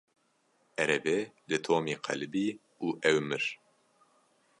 Erebe li Tomî qelibî û ew mir.